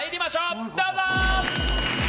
どうぞ！